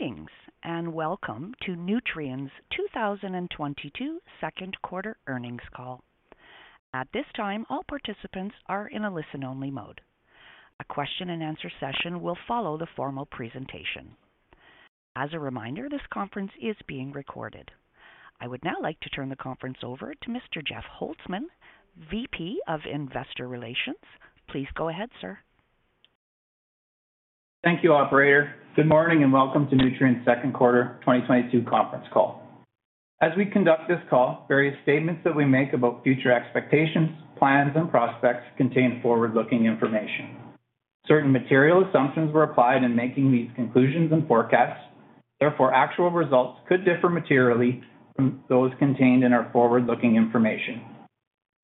Greetings, and welcome to Nutrien's 2022 second quarter earnings call. At this time, all participants are in a listen-only mode. A question-and-answer session will follow the formal presentation. As a reminder, this conference is being recorded. I would now like to turn the conference over to Mr. Jeff Holzman, VP of Investor Relations. Please go ahead, sir. Thank you, operator. Good morning, and welcome to Nutrien's second quarter 2022 conference call. As we conduct this call, various statements that we make about future expectations, plans, and prospects contain forward-looking information. Certain material assumptions were applied in making these conclusions and forecasts. Therefore, actual results could differ materially from those contained in our forward-looking information.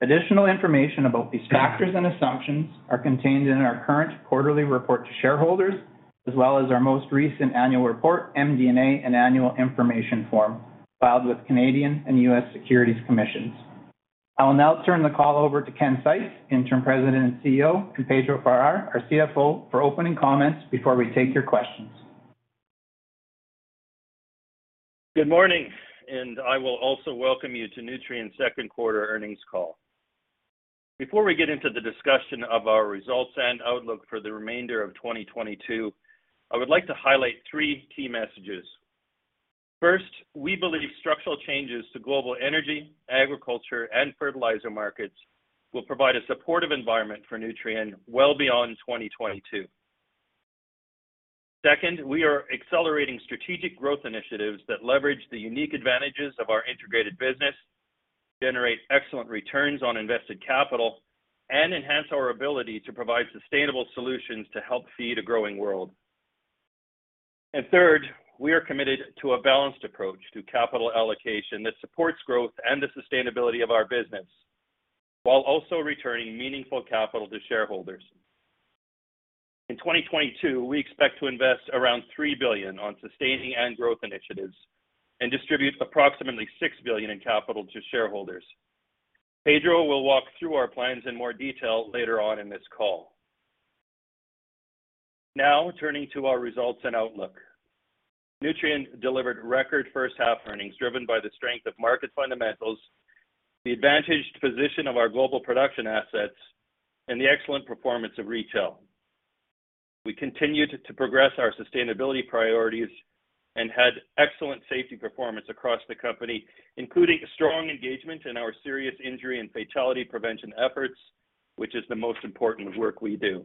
Additional information about these factors and assumptions are contained in our current quarterly report to shareholders, as well as our most recent annual report, MD&A, and annual information form filed with Canadian and U.S. securities commissions. I will now turn the call over to Ken Seitz, Interim President and CEO, and Pedro Farah, our CFO, for opening comments before we take your questions. Good morning, and I will also welcome you to Nutrien's second quarter earnings call. Before we get into the discussion of our results and outlook for the remainder of 2022, I would like to highlight three key messages. First, we believe structural changes to global energy, agriculture, and fertilizer markets will provide a supportive environment for Nutrien well beyond 2022. Second, we are accelerating strategic growth initiatives that leverage the unique advantages of our integrated business, generate excellent returns on invested capital, and enhance our ability to provide sustainable solutions to help feed a growing world. Third, we are committed to a balanced approach to capital allocation that supports growth and the sustainability of our business while also returning meaningful capital to shareholders. In 2022, we expect to invest around $3 billion on sustaining and growth initiatives and distribute approximately $6 billion in capital to shareholders. Pedro will walk through our plans in more detail later on in this call. Now, turning to our results and outlook. Nutrien delivered record first half earnings driven by the strength of market fundamentals, the advantaged position of our global production assets, and the excellent performance of Retail. We continued to progress our sustainability priorities and had excellent safety performance across the company, including strong engagement in our serious injury and fatality prevention efforts, which is the most important work we do.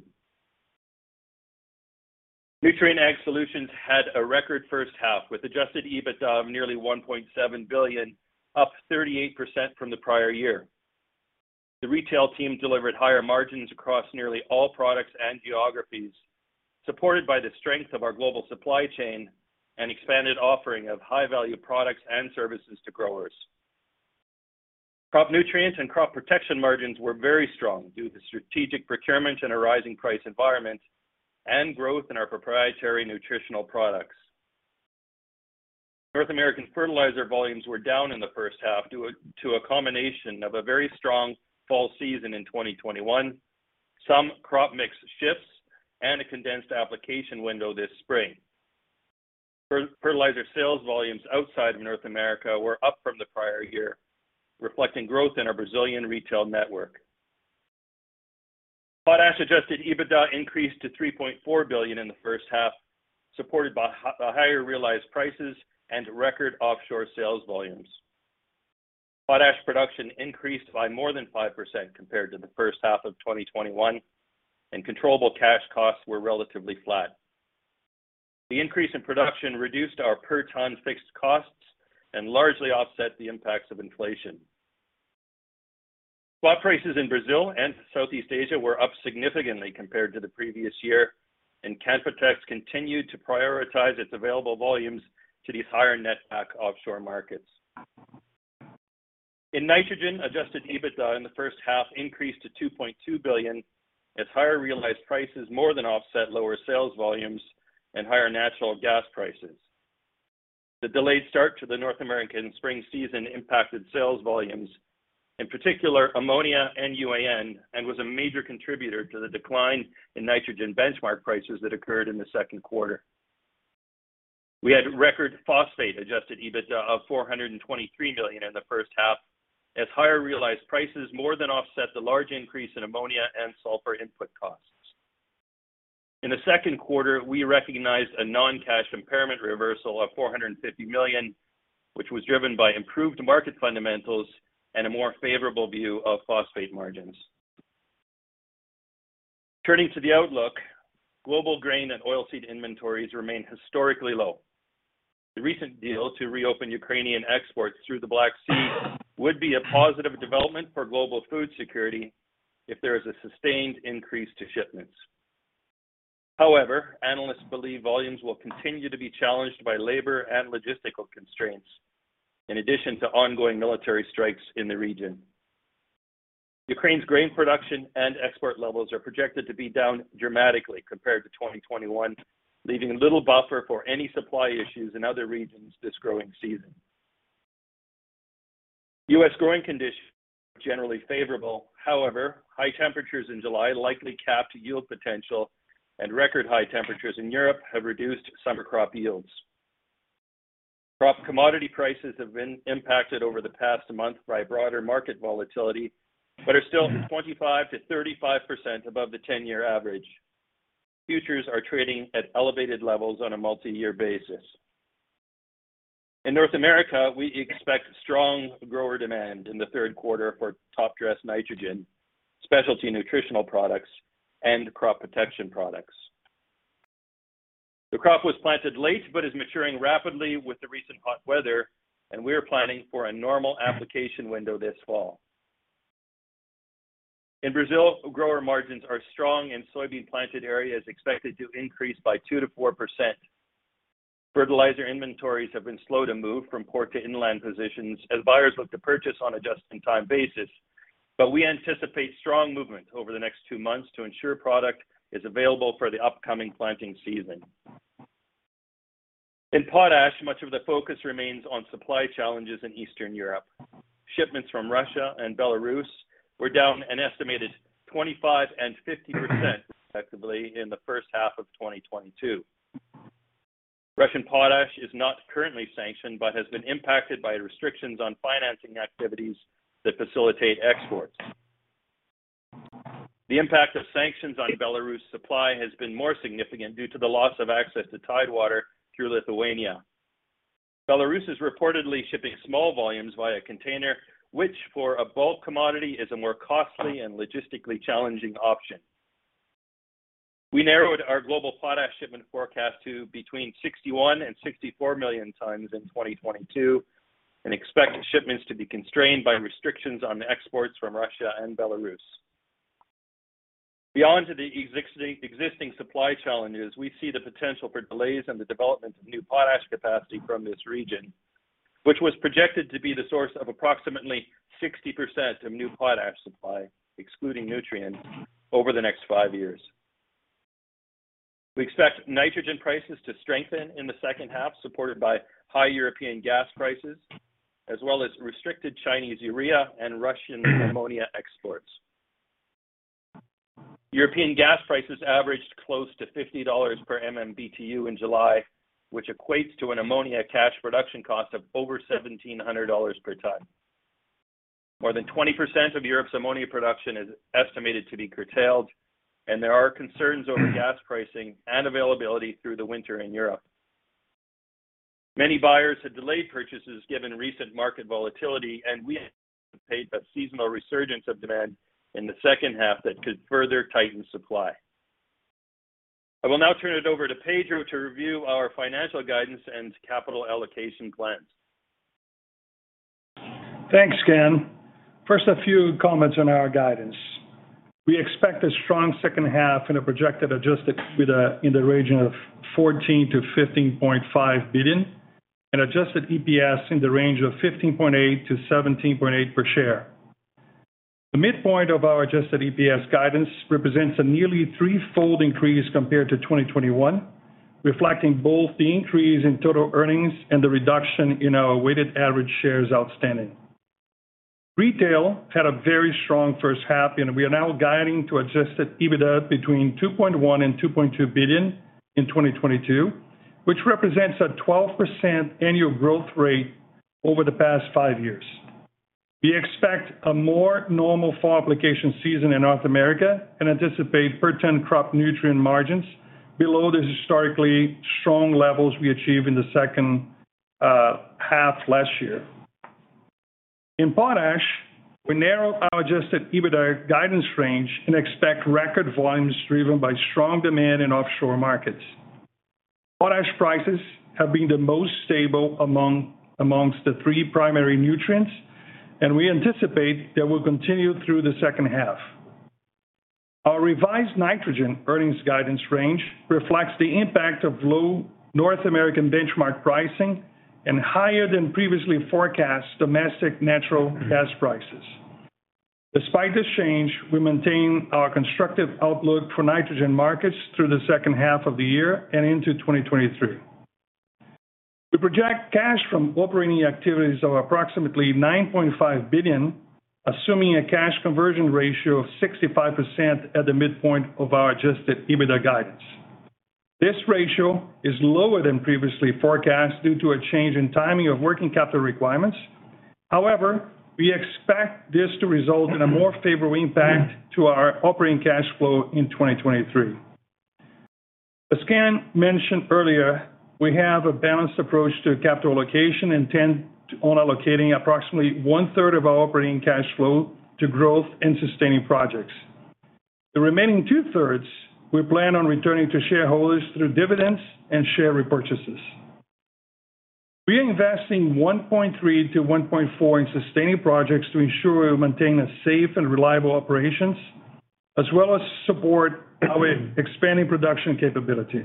Nutrien Ag Solutions had a record first half with adjusted EBITDA of nearly $1.7 billion, up 38% from the prior year. The Retail team delivered higher margins across nearly all products and geographies, supported by the strength of our global supply chain and expanded offering of high-value products and services to growers. Crop nutrients and crop protection margins were very strong due to strategic procurement in a rising price environment and growth in our proprietary nutritional products. North American fertilizer volumes were down in the first half due to a combination of a very strong fall season in 2021, some crop mix shifts, and a condensed application window this spring. Fertilizer sales volumes outside of North America were up from the prior year, reflecting growth in our Brazilian retail network. Potash adjusted EBITDA increased to $3.4 billion in the first half, supported by higher realized prices and record offshore sales volumes. Potash production increased by more than 5% compared to the first half of 2021, and controllable cash costs were relatively flat. The increase in production reduced our per-ton fixed costs and largely offset the impacts of inflation. Spot prices in Brazil and Southeast Asia were up significantly compared to the previous year, and Canpotex continued to prioritize its available volumes to these higher netback offshore markets. In nitrogen, adjusted EBITDA in the first half increased to $2.2 billion as higher realized prices more than offset lower sales volumes and higher natural gas prices. The delayed start to the North American spring season impacted sales volumes, in particular ammonia and UAN, and was a major contributor to the decline in nitrogen benchmark prices that occurred in the second quarter. We had record phosphate adjusted EBITDA of $423 million in the first half, as higher realized prices more than offset the large increase in ammonia and sulfur input costs. In the second quarter, we recognized a non-cash impairment reversal of $450 million, which was driven by improved market fundamentals and a more favorable view of phosphate margins. Turning to the outlook, global grain and oilseed inventories remain historically low. The recent deal to reopen Ukrainian exports through the Black Sea would be a positive development for global food security if there is a sustained increase to shipments. However, analysts believe volumes will continue to be challenged by labor and logistical constraints in addition to ongoing military strikes in the region. Ukraine's grain production and export levels are projected to be down dramatically compared to 2021, leaving little buffer for any supply issues in other regions this growing season. U.S. growing conditions are generally favorable. However, high temperatures in July likely capped yield potential and record high temperatures in Europe have reduced summer crop yields. Crop commodity prices have been impacted over the past month by broader market volatility, but are still 25%-35% above the 10-year average. Futures are trading at elevated levels on a multi-year basis. In North America, we expect strong grower demand in the third quarter for top dress nitrogen, specialty nutritional products, and crop protection products. The crop was planted late, but is maturing rapidly with the recent hot weather, and we are planning for a normal application window this fall. In Brazil, grower margins are strong and soybean planted area is expected to increase by 2%-4%. Fertilizer inventories have been slow to move from port to inland positions as buyers look to purchase on a just-in-time basis. We anticipate strong movement over the next two months to ensure product is available for the upcoming planting season. In potash, much of the focus remains on supply challenges in Eastern Europe. Shipments from Russia and Belarus were down an estimated 25% and 50% respectively in the first half of 2022. Russian potash is not currently sanctioned but has been impacted by restrictions on financing activities that facilitate exports. The impact of sanctions on Belarus supply has been more significant due to the loss of access to Tidewater through Lithuania. Belarus is reportedly shipping small volumes via container, which for a bulk commodity, is a more costly and logistically challenging option. We narrowed our global potash shipment forecast to between 61 million and 64 million tonnes in 2022 and expect shipments to be constrained by restrictions on exports from Russia and Belarus. Beyond the existing supply challenges, we see the potential for delays in the development of new potash capacity from this region, which was projected to be the source of approximately 60% of new potash supply, excluding nutrients over the next five years. We expect nitrogen prices to strengthen in the second half, supported by high European gas prices, as well as restricted Chinese urea and Russian ammonia exports. European gas prices averaged close to $50 per MMBtu in July, which equates to an ammonia cash production cost of over $1,700 per ton. More than 20% of Europe's ammonia production is estimated to be curtailed, and there are concerns over gas pricing and availability through the winter in Europe. Many buyers have delayed purchases given recent market volatility, and we anticipate a seasonal resurgence of demand in the second half that could further tighten supply. I will now turn it over to Pedro to review our financial guidance and capital allocation plans. Thanks, Ken Seitz. First, a few comments on our guidance. We expect a strong second half in a projected adjusted EBITDA in the range of $14 billion-$15.5 billion and adjusted EPS in the range of $15.8-$17.8 per share. The midpoint of our adjusted EPS guidance represents a nearly threefold increase compared to 2021, reflecting both the increase in total earnings and the reduction in our weighted average shares outstanding. Retail had a very strong first half, and we are now guiding to adjusted EBITDA between $2.1 billion and $2.2 billion in 2022, which represents a 12% annual growth rate over the past five years. We expect a more normal fall application season in North America and anticipate per ton crop nutrient margins below the historically strong levels we achieved in the second half last year. In potash, we narrowed our adjusted EBITDA guidance range and expect record volumes driven by strong demand in offshore markets. Potash prices have been the most stable amongst the three primary nutrients, and we anticipate they will continue through the second half. Our revised nitrogen earnings guidance range reflects the impact of low North American benchmark pricing and higher than previously forecast domestic natural gas prices. Despite this change, we maintain our constructive outlook for nitrogen markets through the second half of the year and into 2023. We project cash from operating activities of approximately $9.5 billion, assuming a cash conversion ratio of 65% at the midpoint of our adjusted EBITDA guidance. This ratio is lower than previously forecast due to a change in timing of working capital requirements. However, we expect this to result in a more favorable impact to our operating cash flow in 2023. As Ken mentioned earlier, we have a balanced approach to capital allocation, intend on allocating approximately one-third of our operating cash flow to growth and sustaining projects. The remaining 2/3, we plan on returning to shareholders through dividends and share repurchases. We are investing $1.3 billion-$1.4 billion in sustaining projects to ensure we maintain a safe and reliable operations, as well as support our expanding production capability.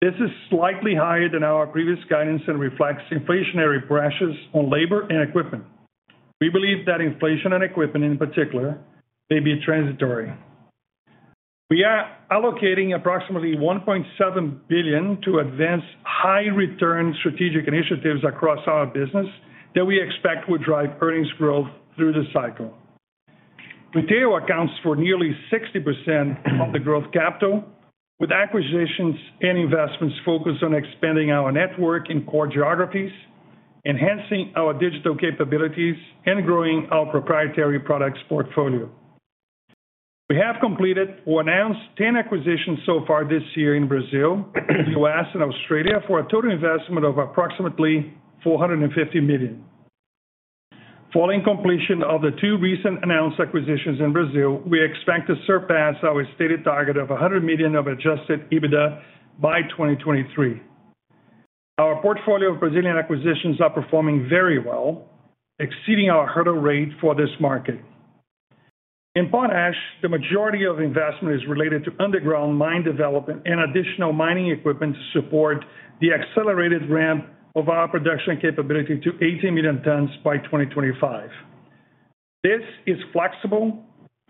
This is slightly higher than our previous guidance and reflects inflationary pressures on labor and equipment. We believe that inflation on equipment in particular may be transitory. We are allocating approximately $1.7 billion to advance high return strategic initiatives across our business that we expect will drive earnings growth through the cycle. Retail accounts for nearly 60% of the growth capital, with acquisitions and investments focused on expanding our network in core geographies, enhancing our digital capabilities, and growing our proprietary products portfolio. We have completed or announced 10 acquisitions so far this year in Brazil, U.S., and Australia for a total investment of approximately $450 million. Following completion of the two recent announced acquisitions in Brazil, we expect to surpass our stated target of $100 million of adjusted EBITDA by 2023. Our portfolio of Brazilian acquisitions are performing very well, exceeding our hurdle rate for this market. In Potash, the majority of investment is related to underground mine development and additional mining equipment to support the accelerated ramp of our production capability to 18 million tons by 2025. This is flexible,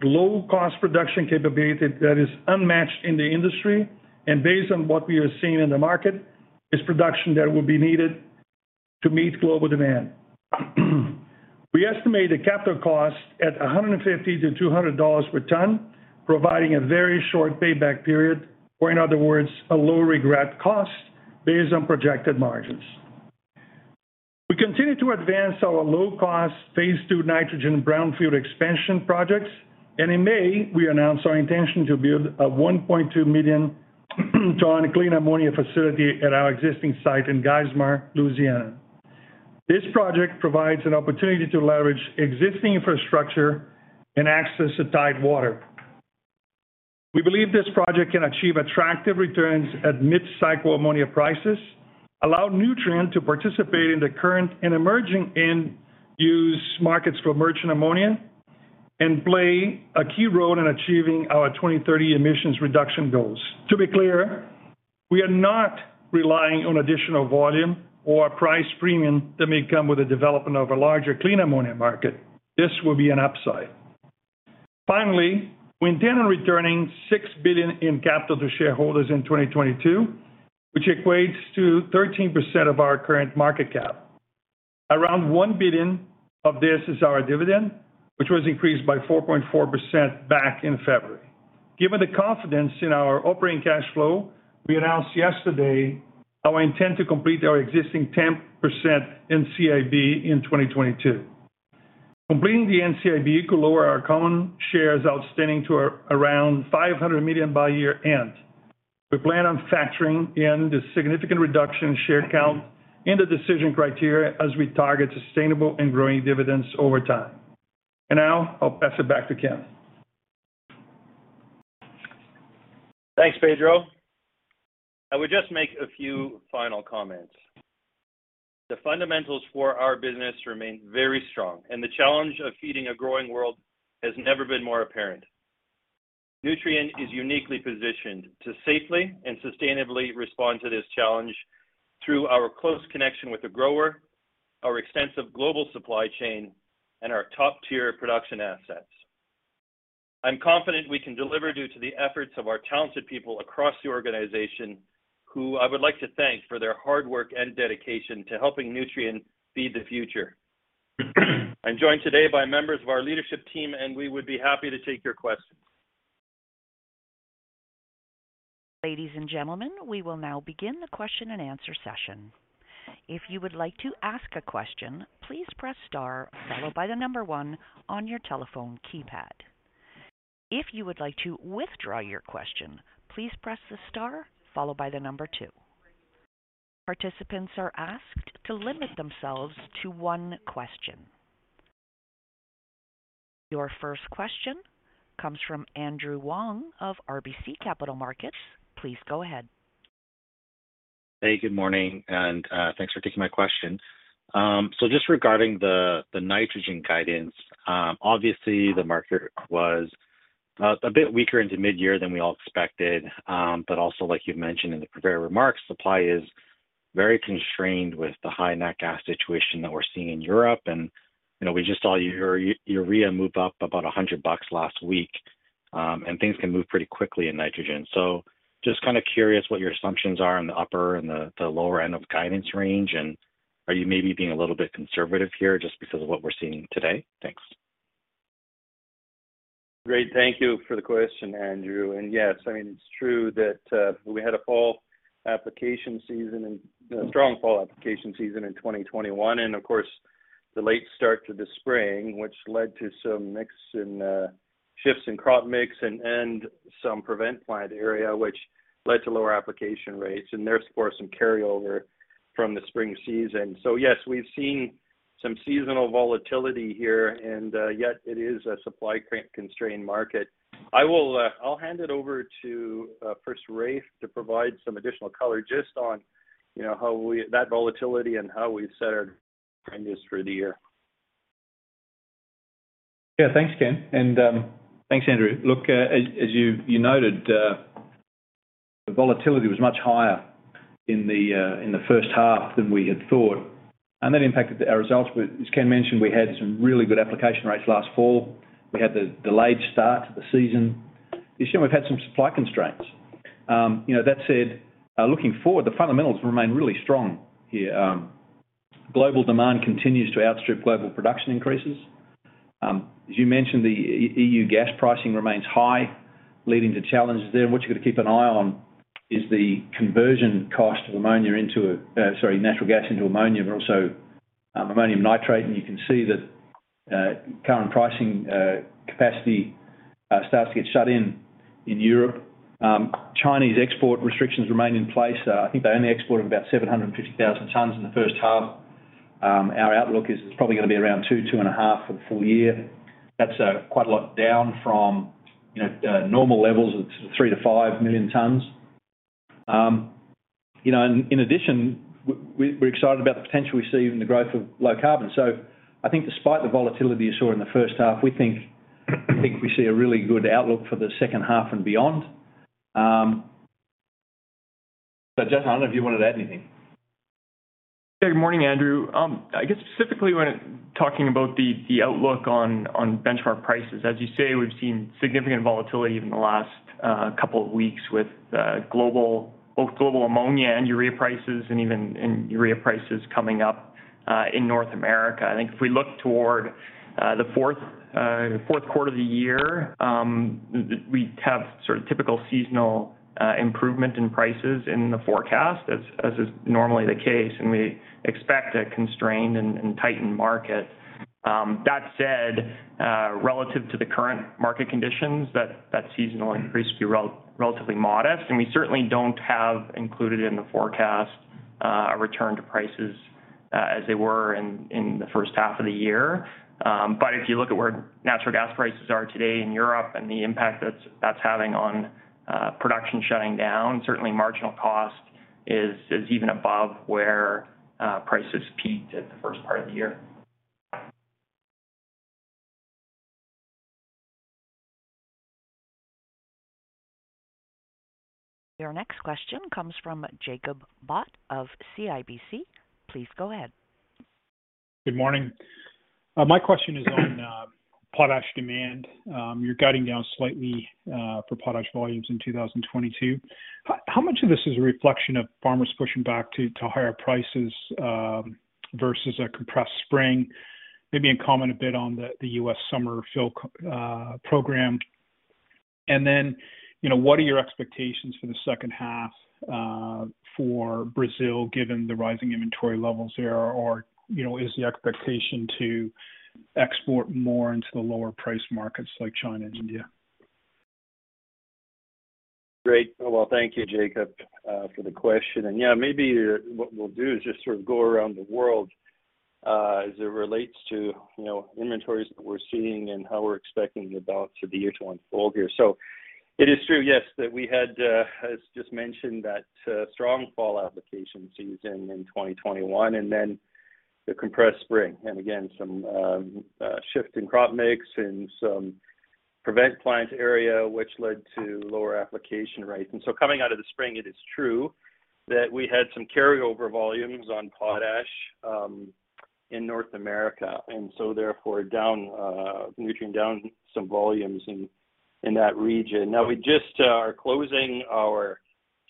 low-cost production capability that is unmatched in the industry and based on what we are seeing in the market, is production that will be needed to meet global demand. We estimate the capital cost at $150-$200 per ton, providing a very short payback period, or in other words, a low regret cost based on projected margins. We continue to advance our low-cost phase two nitrogen brownfield expansion projects. In May, we announced our intention to build a 1.2 million ton clean ammonia facility at our existing site in Geismar, Louisiana. This project provides an opportunity to leverage existing infrastructure and access to tidewater. We believe this project can achieve attractive returns at mid-cycle ammonia prices, allow Nutrien to participate in the current and emerging end use markets for merchant ammonia and play a key role in achieving our 2030 emissions reduction goals. To be clear, we are not relying on additional volume or price premium that may come with the development of a larger clean ammonia market. This will be an upside. Finally, we intend on returning $6 billion in capital to shareholders in 2022, which equates to 13% of our current market cap. Around $1 billion of this is our dividend, which was increased by 4.4% back in February. Given the confidence in our operating cash flow, we announced yesterday how we intend to complete our existing 10% NCIB in 2022. Completing the NCIB could lower our common shares outstanding to around 500 million by year-end. We plan on factoring in the significant reduction in share count in the decision criteria as we target sustainable and growing dividends over time. Now I'll pass it back to Ken. Thanks, Pedro. I would just make a few final comments. The fundamentals for our business remain very strong, and the challenge of feeding a growing world has never been more apparent. Nutrien is uniquely positioned to safely and sustainably respond to this challenge through our close connection with the grower, our extensive global supply chain, and our top-tier production assets. I'm confident we can deliver due to the efforts of our talented people across the organization who I would like to thank for their hard work and dedication to helping Nutrien feed the future. I'm joined today by members of our leadership team, and we would be happy to take your questions. Ladies and gentlemen, we will now begin the question-and-answer session. If you would like to ask a question, please press star followed by the number one on your telephone keypad. If you would like to withdraw your question, please press the star followed by the number two. Participants are asked to limit themselves to one question. Your first question comes from Andrew Wong of RBC Capital Markets. Please go ahead. Hey, good morning, and thanks for taking my question. Just regarding the nitrogen guidance, obviously, the market was a bit weaker into mid-year than we all expected. Also, like you've mentioned in the prepared remarks, supply is very constrained with the high nat gas situation that we're seeing in Europe. You know, we just saw urea move up about $100 last week, and things can move pretty quickly in nitrogen. Just kinda curious what your assumptions are on the upper and the lower end of guidance range. Are you maybe being a little bit conservative here just because of what we're seeing today? Thanks. Great. Thank you for the question, Andrew. Yes, I mean, it's true that we had a strong fall application season in 2021. Of course, the late start to the spring, which led to some mix and shifts in crop mix and some prevent plant area, which led to lower application rates and therefore some carryover from the spring season. Yes, we've seen some seasonal volatility here, and yet it is a supply constraint market. I'll hand it over to first Raef to provide some additional color just on, you know, that volatility and how we set our guidance for the year. Yeah. Thanks, Ken. Thanks, Andrew. Look, as you noted. The volatility was much higher in the first half than we had thought, and that impacted our results. As Ken mentioned, we had some really good application rates last fall. We had the delayed start to the season. This year, we've had some supply constraints. You know, that said, looking forward, the fundamentals remain really strong here. Global demand continues to outstrip global production increases. As you mentioned, the EU gas pricing remains high, leading to challenges there. What you got to keep an eye on is the conversion cost of natural gas into ammonia, but also ammonium nitrate. You can see that current pricing capacity starts to get shut in in Europe. Chinese export restrictions remain in place. I think they only exported about 750,000 tons in the first half. Our outlook is it's probably gonna be around 2 to 2.5 for the full year. That's quite a lot down from, you know, normal levels of 3 million-5 million tons. You know, in addition, we're excited about the potential we see in the growth of low carbon. I think despite the volatility you saw in the first half, we think we see a really good outlook for the second half and beyond. Jason, I don't know if you wanted to add anything. Yeah, good morning, Andrew. I guess specifically when talking about the outlook on benchmark prices, as you say, we've seen significant volatility in the last couple of weeks with both global ammonia and urea prices and even urea prices coming up in North America. I think if we look toward the fourth quarter of the year, we have sort of typical seasonal improvement in prices in the forecast as is normally the case, and we expect a constrained and tightened market. That said, relative to the current market conditions, that seasonal increase will be relatively modest, and we certainly don't have included in the forecast a return to prices as they were in the first half of the year. If you look at where natural gas prices are today in Europe and the impact that's having on production shutting down, certainly marginal cost is even above where prices peaked at the first part of the year. Your next question comes from Jacob Bout of CIBC. Please go ahead. Good morning. My question is on potash demand. You're guiding down slightly for potash volumes in 2022. How much of this is a reflection of farmers pushing back to higher prices versus a compressed spring? Maybe you can comment a bit on the U.S. summer fill program. Then, you know, what are your expectations for the second half for Brazil, given the rising inventory levels there? You know, is the expectation to export more into the lower price markets like China and India? Great. Well, thank you, Jacob, for the question. Yeah, maybe what we'll do is just sort of go around the world, as it relates to, you know, inventories that we're seeing and how we're expecting the balance of the year to unfold here. It is true, yes, that we had, as just mentioned, that strong fall application season in 2021 and then the compressed spring. Again, some shift in crop mix and some prevent plant area, which led to lower application rates. Coming out of the spring, it is true that we had some carryover volumes on potash in North America, and therefore down some nutrient volumes in that region. Now we just are closing our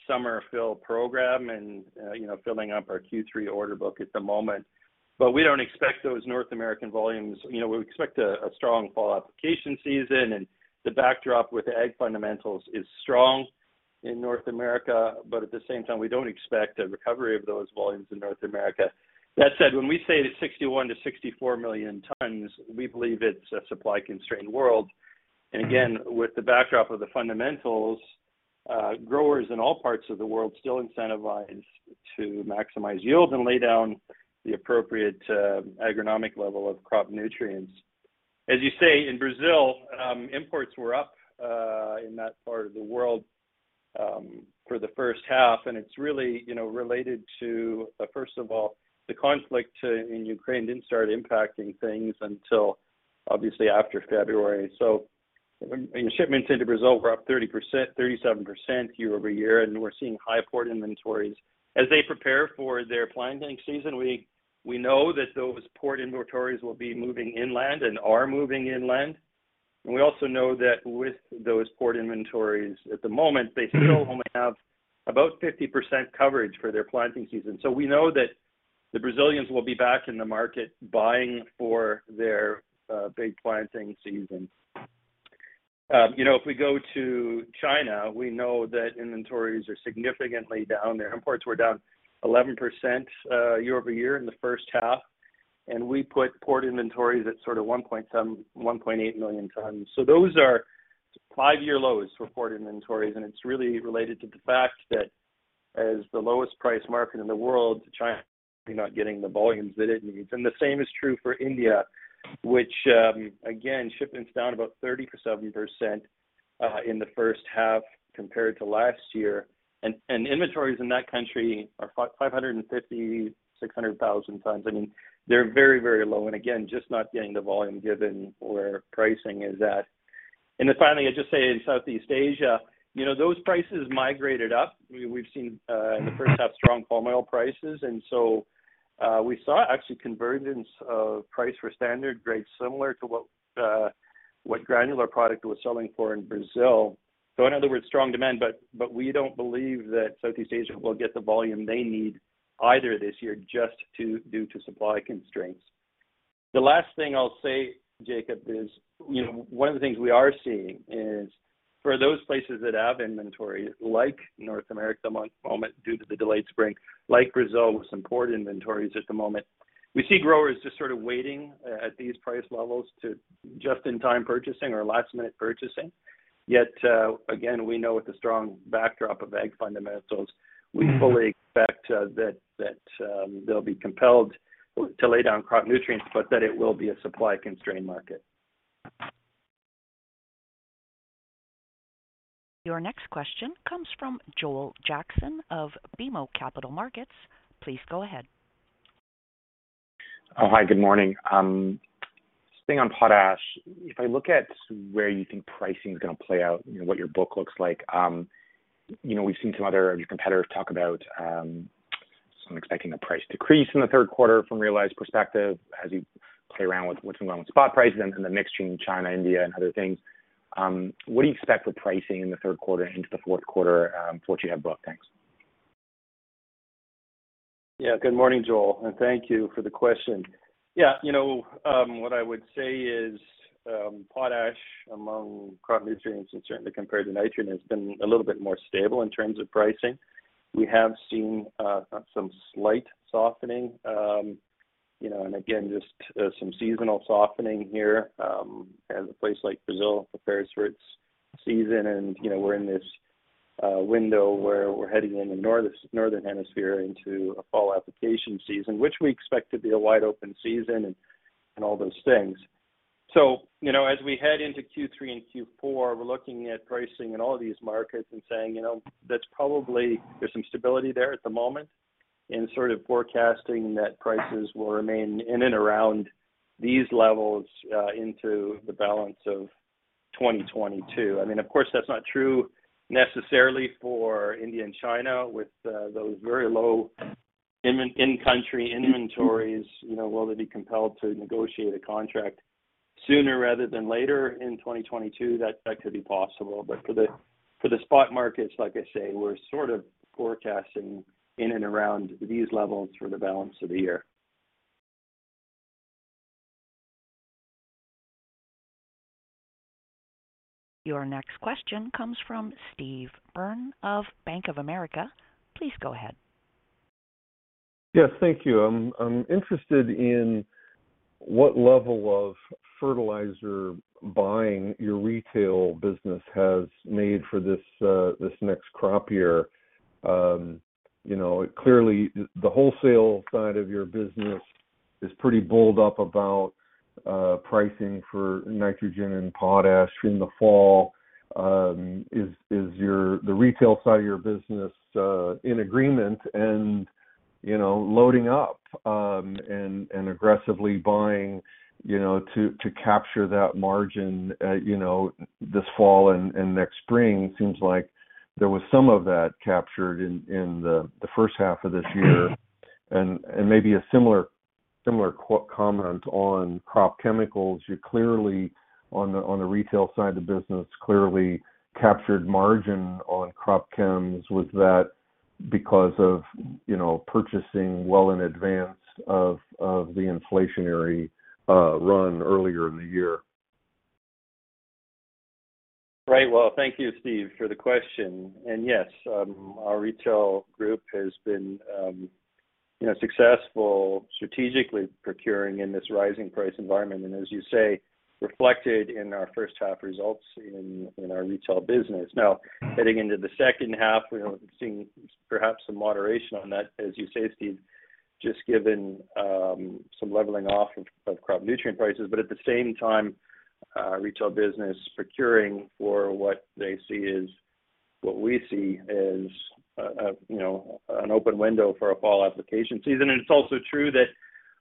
summer fill program and, you know, filling up our Q3 order book at the moment. We don't expect those North American volumes. You know, we expect a strong fall application season, and the backdrop with ag fundamentals is strong in North America. At the same time, we don't expect a recovery of those volumes in North America. That said, when we say 61-64 million tons, we believe it's a supply-constrained world. Again, with the backdrop of the fundamentals, growers in all parts of the world still incentivized to maximize yield and lay down the appropriate agronomic level of crop nutrients. As you say, in Brazil, imports were up in that part of the world for the first half, and it's really, you know, related to first of all, the conflict in Ukraine didn't start impacting things until obviously after February. I mean, shipments into Brazil were up 30%, 37% year-over-year, and we're seeing high port inventories. As they prepare for their planting season, we know that those port inventories will be moving inland and are moving inland. We also know that with those port inventories at the moment, they still only have about 50% coverage for their planting season. We know that the Brazilians will be back in the market buying for their big planting season. You know, if we go to China, we know that inventories are significantly down there. Imports were down 11% year-over-year in the first half, and we put port inventories at sort of 1.8 million tons. Those are five-year lows for port inventories, and it's really related to the fact that as the lowest price market in the world, China is not getting the volumes that it needs. The same is true for India, which again, shipments down about 30% in the first half compared to last year, and inventories in that country are 550,000-600,000 tons. I mean, they're very low and again, just not getting the volume given where pricing is at. Finally, I'd just say in Southeast Asia, you know, those prices migrated up. We've seen in the first half strong palm oil prices. So, we saw actually convergence of price for standard grade similar to what granular product was selling for in Brazil. In other words, strong demand, but we don't believe that Southeast Asia will get the volume they need either this year due to supply constraints. The last thing I'll say, Jacob, is, you know, one of the things we are seeing is for those places that have inventory, like North America at the moment due to the delayed spring, like Brazil with some port inventories at the moment, we see growers just sort of waiting at these price levels to just-in-time purchasing or last-minute purchasing. Yet, again, we know with the strong backdrop of ag fundamentals. Mm. We fully expect that they'll be compelled to lay down crop nutrients, but that it will be a supply-constrained market. Your next question comes from Joel Jackson of BMO Capital Markets. Please go ahead. Oh, hi, good morning. Staying on Potash, if I look at where you think pricing is gonna play out, you know, what your book looks like, you know, we've seen some other of your competitors talk about, some expecting a price decrease in the third quarter from realized perspective as you play around with what's been going on with spot prices and the mix between China, India, and other things. What do you expect with pricing in the third quarter into the fourth quarter, for what you have booked? Thanks. Yeah, good morning, Joel, and thank you for the question. Yeah, you know, what I would say is, potash among crop nutrients and certainly compared to nitrogen has been a little bit more stable in terms of pricing. We have seen some slight softening, you know, and again, just some seasonal softening here, as a place like Brazil prepares for its season. You know, we're in this window where we're heading in the Northern Hemisphere into a fall application season, which we expect to be a wide open season and all those things. You know, as we head into Q3 and Q4, we're looking at pricing in all of these markets and saying, you know, that's probably there is some stability there at the moment and sort of forecasting that prices will remain in and around these levels into the balance of 2022. I mean, of course, that's not true necessarily for India and China with those very low in-country inventories. You know, will they be compelled to negotiate a contract sooner rather than later in 2022? That could be possible. For the spot markets, like I say, we're sort of forecasting in and around these levels for the balance of the year. Your next question comes from Steve Byrne of Bank of America. Please go ahead. Yes, thank you. I'm interested in what level of fertilizer buying your retail business has made for this this next crop year. You know, clearly the wholesale side of your business is pretty bullish about pricing for Nitrogen and Potash in the fall. Is the retail side of your business in agreement and, you know, loading up and aggressively buying, you know, to capture that margin, you know, this fall and next spring? Seems like there was some of that captured in the first half of this year. Maybe a similar comment on crop chemicals. You're clearly on the retail side of the business, clearly captured margin on crop chems. Was that because of, you know, purchasing well in advance of the inflationary run earlier in the year? Right. Well, thank you, Steve, for the question. Yes, our retail group has been, you know, successful strategically procuring in this rising price environment, and as you say, reflected in our first half results in our retail business. Now, heading into the second half, we are seeing perhaps some moderation on that, as you say, Steve, just given some leveling off of crop nutrient prices. At the same time, retail business procuring for what they see is what we see as, you know, an open window for a fall application season. It's also true that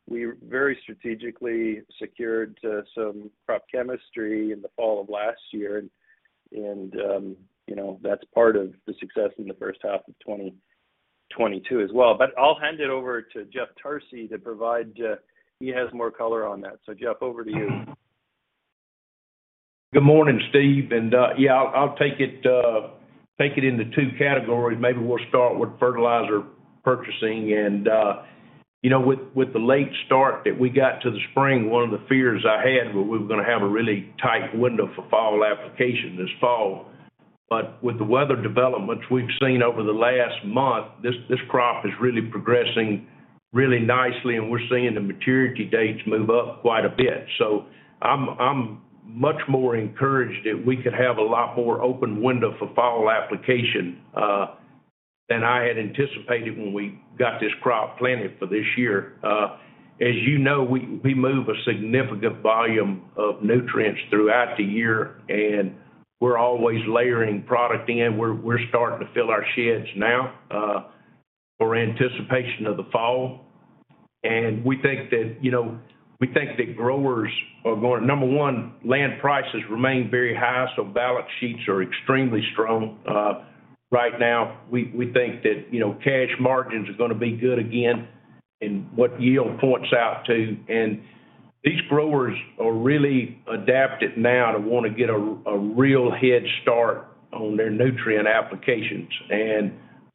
we very strategically secured some crop chemistry in the fall of last year and, you know, that's part of the success in the first half of 2022 as well. I'll hand it over to Jeff Tarsi to provide. He has more color on that. Jeff, over to you. Good morning, Steve. Yeah, I'll take it into two categories. Maybe we'll start with fertilizer purchasing. You know, with the late start that we got to the spring, one of the fears I had was we were gonna have a really tight window for fall application this fall. With the weather developments we've seen over the last month, this crop is really progressing really nicely, and we're seeing the maturity dates move up quite a bit. I'm much more encouraged that we could have a lot more open window for fall application than I had anticipated when we got this crop planted for this year. As you know, we move a significant volume of nutrients throughout the year, and we're always layering product in. We're starting to fill our sheds now, in anticipation of the fall. We think that growers are going number one, land prices remain very high, so balance sheets are extremely strong right now. We think that cash margins are gonna be good again in what wheat yield points out to. These growers are really adapted now to wanna get a real head start on their nutrient applications.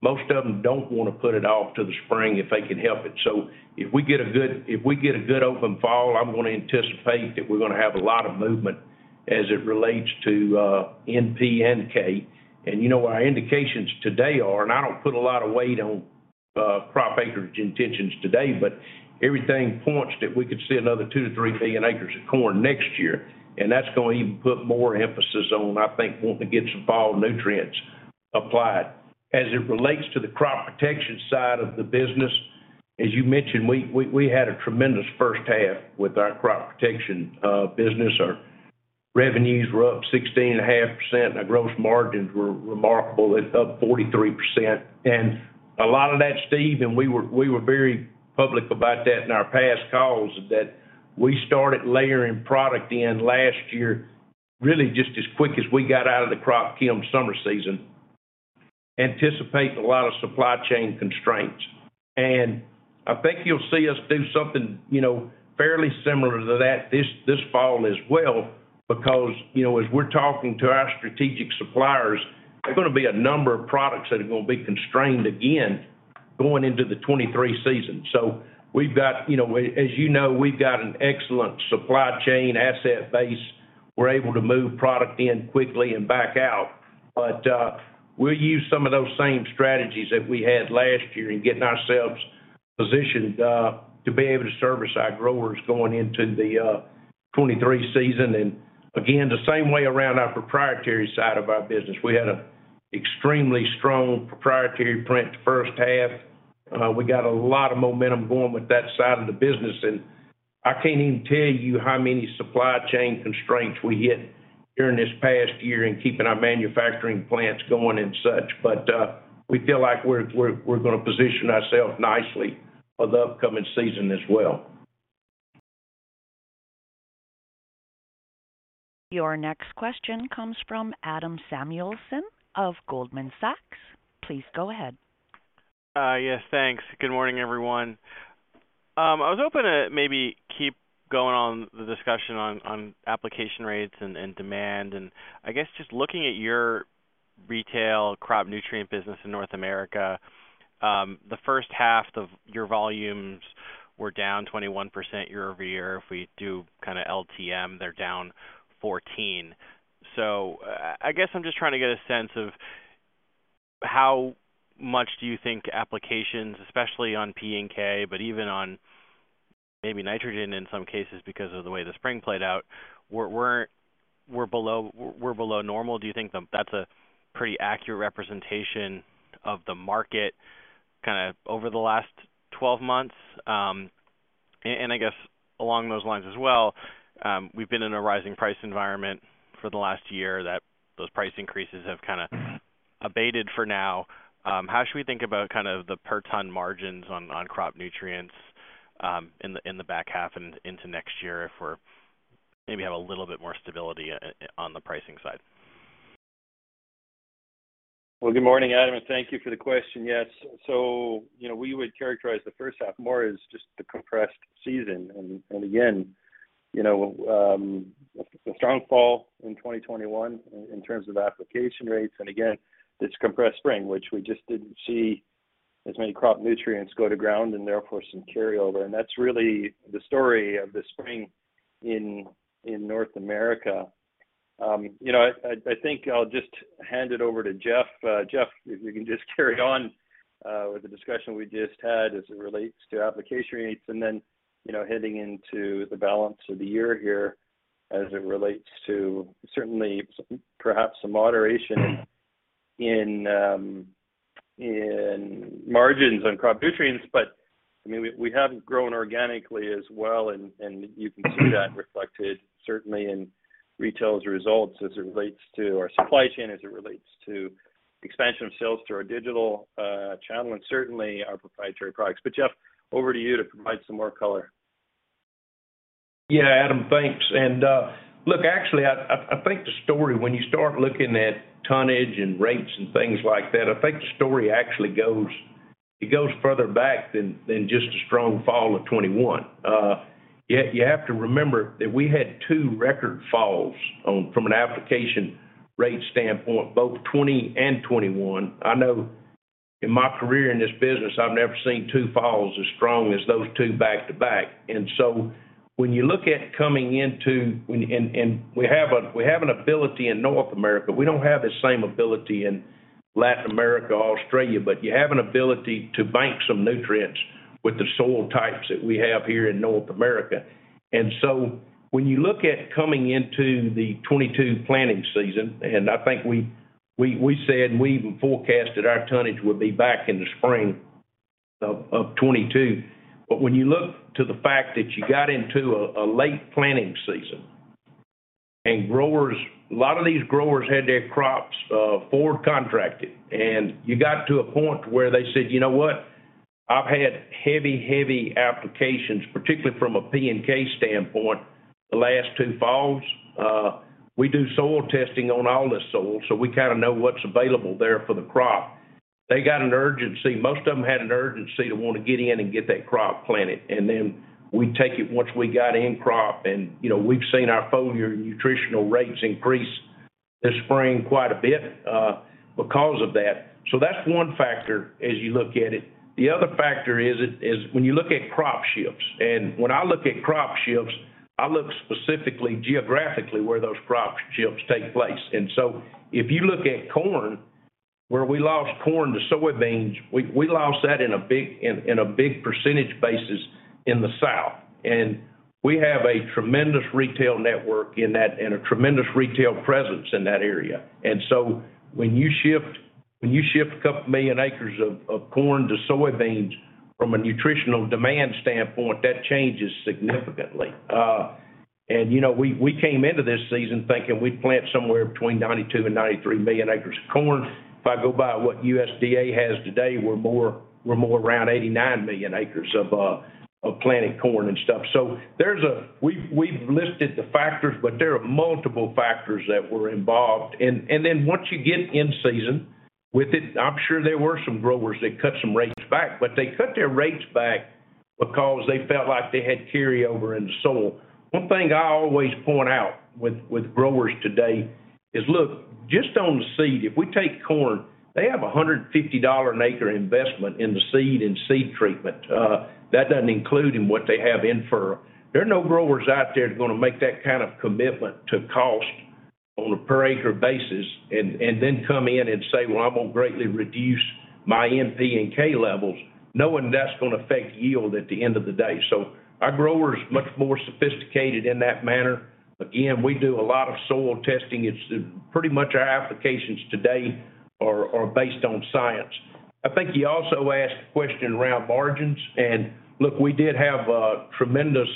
Most of them don't wanna put it off to the spring if they can help it. If we get a good open fall, I'm gonna anticipate that we're gonna have a lot of movement as it relates to N, P, and K. You know what our indications today are, and I don't put a lot of weight on crop acreage intentions today, but everything points that we could see another 2-3 million acres of corn next year, and that's gonna even put more emphasis on, I think, wanting to get some fall nutrients applied. As it relates to the crop protection side of the business, as you mentioned, we had a tremendous first half with our crop protection business. Our revenues were up 16.5%, and our gross margins were remarkable. It's up 43%. A lot of that, Steve, and we were very public about that in our past calls, that we started layering product in last year, really just as quick as we got out of the crop chem summer season, anticipate a lot of supply chain constraints. I think you'll see us do something, you know, fairly similar to that this fall as well because, you know, as we're talking to our strategic suppliers, there are gonna be a number of products that are gonna be constrained again going into the 2023 season. We've got, you know, as you know, we've got an excellent supply chain asset base. We're able to move product in quickly and back out. We'll use some of those same strategies that we had last year in getting ourselves positioned to be able to service our growers going into the 2023 season. Again, the same way around our proprietary side of our business. We had a extremely strong proprietary plant first half. We got a lot of momentum going with that side of the business. I can't even tell you how many supply chain constraints we hit during this past year in keeping our manufacturing plants going and such. We feel like we're gonna position ourselves nicely for the upcoming season as well. Your next question comes from Adam Samuelson of Goldman Sachs. Please go ahead. Yes, thanks. Good morning, everyone. I was hoping to maybe keep going on the discussion on application rates and demand. I guess just looking at your retail crop nutrient business in North America, the first half of your volumes were down 21% year-over-year. If we do kinda LTM, they're down 14. I guess I'm just trying to get a sense of how much do you think applications, especially on P and K, but even on maybe nitrogen in some cases because of the way the spring played out, were below normal. Do you think that's a pretty accurate representation of the market kinda over the last 12 months? I guess along those lines as well, we've been in a rising price environment for the last year that those price increases have kinda abated for now. How should we think about kind of the per ton margins on crop nutrients in the back half and into next year if we're maybe have a little bit more stability on the pricing side? Well, good morning, Adam, and thank you for the question. Yes. You know, we would characterize the first half more as just the compressed season and again, you know, a strong fall in 2021 in terms of application rates. This compressed spring, which we just didn't see as many crop nutrients go to ground and therefore some carryover. That's really the story of the spring in North America. You know, I think I'll just hand it over to Jeff. Jeff, if you can just carry on with the discussion we just had as it relates to application rates and then, you know, heading into the balance of the year here as it relates to certainly perhaps some moderation in margins on crop nutrients. I mean, we have grown organically as well, and you can see that reflected certainly in Retail's results as it relates to our supply chain, as it relates to expansion of sales to our digital channel, and certainly our proprietary products. Jeff, over to you to provide some more color. Yeah, Adam, thanks. Look, actually, I think the story when you start looking at tonnage and rates and things like that, I think the story actually goes further back than just a strong fall of 2021. Yet you have to remember that we had two record falls from an application rate standpoint, both 2020 and 2021. I know in my career in this business, I've never seen two falls as strong as those two back to back. When you look at coming into and we have an ability in North America. We don't have the same ability in Latin America or Australia, but you have an ability to bank some nutrients with the soil types that we have here in North America. When you look at coming into the 2022 planting season, and I think we said we even forecasted our tonnage would be back in the spring of 2022. But when you look to the fact that you got into a late planting season. And growers, a lot of these growers had their crops forward contracted, and you got to a point where they said, "You know what? I've had heavy applications, particularly from a P&K standpoint, the last two falls. We do soil testing on all the soil, so we kinda know what's available there for the crop." They got an urgency. Most of them had an urgency to wanna get in and get that crop planted. Then we take it once we got in crop and, you know, we've seen our foliar nutritional rates increase this spring quite a bit because of that. So that's one factor as you look at it. The other factor is when you look at crop shifts, and when I look at crop shifts, I look specifically geographically where those crop shifts take place. If you look at corn, where we lost corn to soybeans, we lost that in a big percentage basis in the South. We have a tremendous retail network in that and a tremendous retail presence in that area. When you shift a couple million acres of corn to soybeans from a nutritional demand standpoint, that changes significantly. You know, we came into this season thinking we'd plant somewhere between 92 million and 93 million acres of corn. If I go by what USDA has today, we're more around 89 million acres of planted corn and stuff. We've listed the factors, but there are multiple factors that were involved. Then once you get in season with it, I'm sure there were some growers that cut some rates back, but they cut their rates back because they felt like they had carryover in the soil. One thing I always point out with growers today is, look, just on the seed, if we take corn, they have a $150-an-acre investment in the seed and seed treatment. That doesn't include in what they have in fer-- there are no growers out there that are gonna make that kind of commitment to cost on a per acre basis and then come in and say, "Well, I'm gonna greatly reduce my N, P, and K levels," knowing that's gonna affect yield at the end of the day. Our growers are much more sophisticated in that manner. Again, we do a lot of soil testing. It's pretty much our applications today are based on science. I think you also asked a question around margins, and look, we did have a tremendous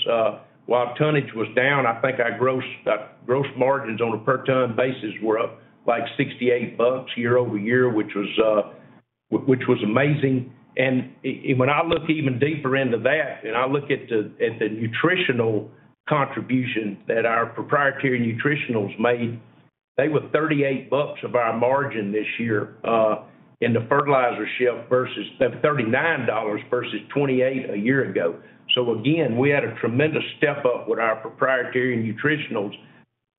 while tonnage was down, I think our gross margins on a per ton basis were up like $68 year-over-year, which was amazing. When I look even deeper into that and I look at the, at the nutritional contribution that our proprietary nutritionals made, they were $38 of our margin this year, in the fertilizer shelf versus thirty-nine dollars versus $28 a year ago. So again, we had a tremendous step-up with our proprietary nutritionals.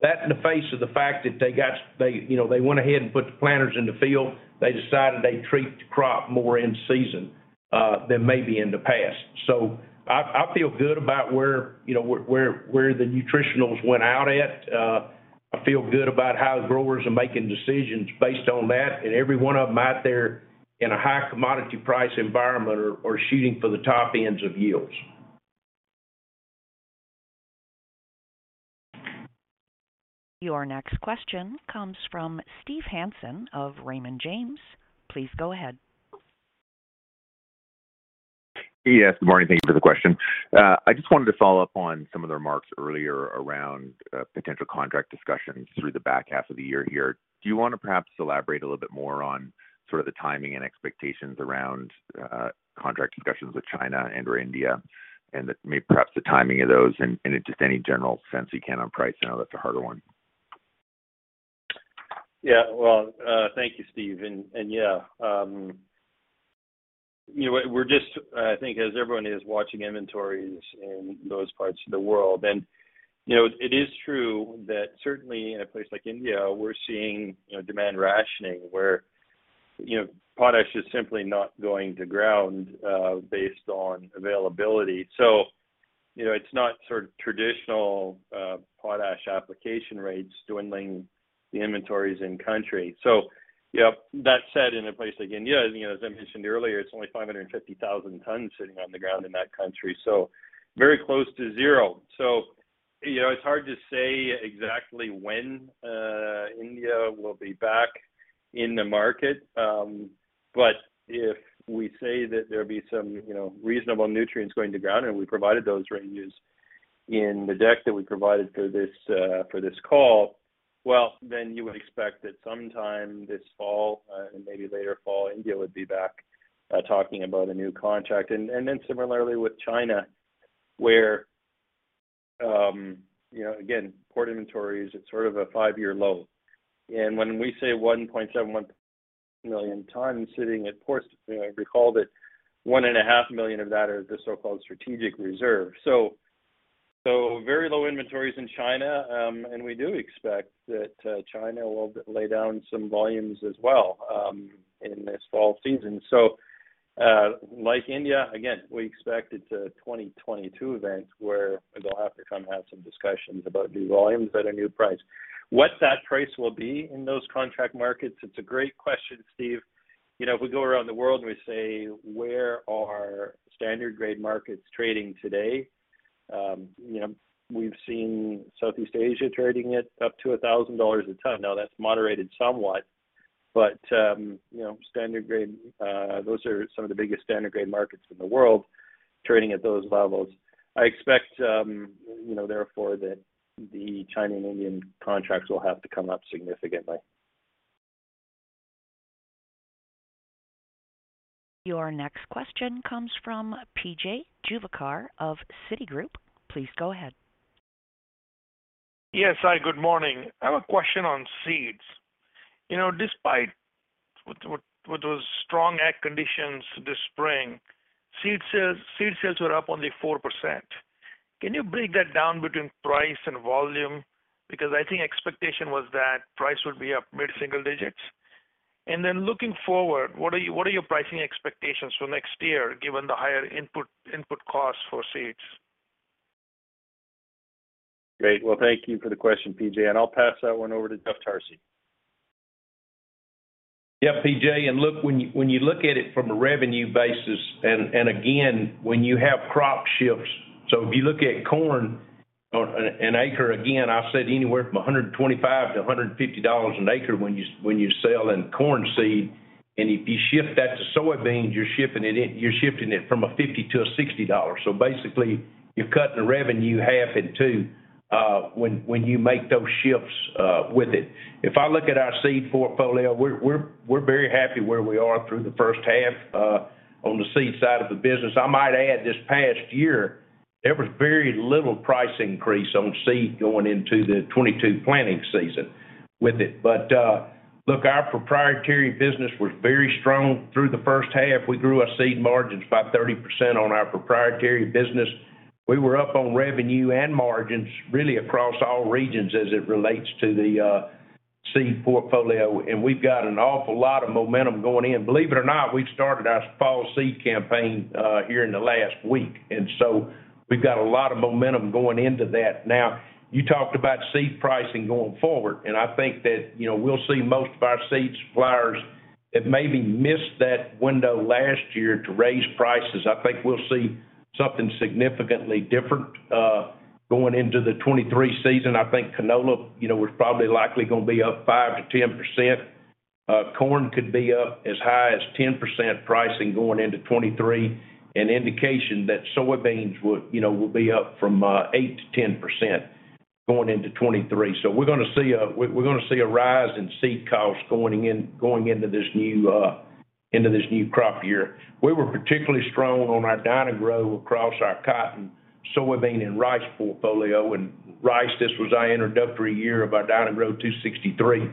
That's in the face of the fact that they got they, you know, they went ahead and put the planters in the field. They decided they'd treat the crop more in season, than maybe in the past. So I feel good about where, you know, where the nutritionals went out at. I feel good about how the growers are making decisions based on that. Every one of them out there in a high commodity price environment are shooting for the top ends of yields. Your next question comes from Steve Hansen of Raymond James. Please go ahead. Yes, good morning. Thank you for the question. I just wanted to follow up on some of the remarks earlier around potential contract discussions through the back half of the year here. Do you wanna perhaps elaborate a little bit more on sort of the timing and expectations around contract discussions with China and/or India, and maybe perhaps the timing of those and just any general sense you can on price? I know that's a harder one. Yeah. Well, thank you, Steve. Yeah, you know, we're just, I think, as everyone is watching inventories in those parts of the world. You know, it is true that certainly in a place like India, we're seeing, you know, demand rationing where, you know, potash is simply not going to ground, based on availability. You know, it's not sort of traditional potash application rates dwindling the inventories in country. Yeah, that said, in a place like India, you know, as I mentioned earlier, it's only 550,000 tons sitting on the ground in that country. Very close to zero. You know, it's hard to say exactly when India will be back in the market. If we say that there'll be some, you know, reasonable nutrients going to ground, and we provided those ranges in the deck that we provided for this call, well, then you would expect that sometime this fall, and maybe later fall, India would be back talking about a new contract. Then similarly with China, where, you know, again, port inventories at sort of a five-year low. When we say 1.7 million tons sitting at ports, you know, recall that 1.5 million of that are the so-called strategic reserve. Very low inventories in China, and we do expect that China will lay down some volumes as well in this fall season. Like India, again, we expect it's a 2022 event where they'll have to come have some discussions about new volumes at a new price. What that price will be in those contract markets, it's a great question, Steve. You know, if we go around the world and we say, "Where are standard grade markets trading today?" You know, we've seen Southeast Asia trading at up to $1,000 a ton. Now, that's moderated somewhat. You know, standard grade, those are some of the biggest standard grade markets in the world trading at those levels. I expect, you know, therefore, that the China and Indian contracts will have to come up significantly. Your next question comes from P.J. Juvekar of Citigroup. Please go ahead. Yes. Hi, good morning. I have a question on seeds. You know, despite what was strong ag conditions this spring, seed sales were up only 4%. Can you break that down between price and volume? Because I think expectation was that price would be up mid-single digits. Then looking forward, what are your pricing expectations for next year given the higher input costs for seeds? Great. Well, thank you for the question, PJ. I'll pass that one over to Jeff Tarsi. Yeah, P.J. Look, when you look at it from a revenue basis and again, when you have crop shifts. If you look at corn on an acre, again, I said anywhere from $125 to $150 an acre when you selling corn seed. If you shift that to soybeans, you're shifting it from $50 to $60. Basically, you're cutting the revenue half in two when you make those shifts with it. If I look at our seed portfolio, we're very happy where we are through the first half on the seed side of the business. I might add this past year, there was very little price increase on seed going into the 2022 planting season with it. look, our proprietary business was very strong through the first half. We grew our seed margins by 30% on our proprietary business. We were up on revenue and margins really across all regions as it relates to the seed portfolio, and we've got an awful lot of momentum going in. Believe it or not, we've started our fall seed campaign here in the last week, and so we've got a lot of momentum going into that. Now, you talked about seed pricing going forward, and I think that, you know, we'll see most of our seed suppliers that maybe missed that window last year to raise prices. I think we'll see something significantly different going into the 2023 season. I think canola, you know, is probably likely gonna be up 5%-10%. Corn could be up as high as 10% pricing going into 2023. An indication that soybeans would, you know, will be up from 8%-10% going into 2023. We're gonna see a rise in seed costs going into this new crop year. We were particularly strong on our Dyna-Gro across our cotton, soybean, and rice portfolio. Rice, this was our introductory year of our Dyna-Gro 263,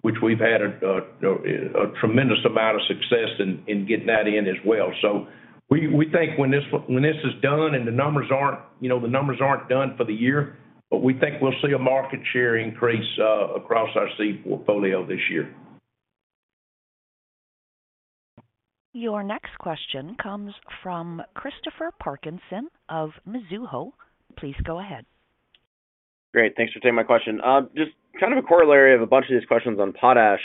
which we've had a tremendous amount of success in getting that in as well. We think when this is done and the numbers aren't done for the year, but we think we'll see a market share increase across our seed portfolio this year. Your next question comes from Christopher Parkinson of Mizuho. Please go ahead. Great. Thanks for taking my question. Just kind of a corollary of a bunch of these questions on Potash.